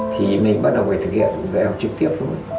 thì mình bắt đầu phải thực hiện dạy học trực tiếp thôi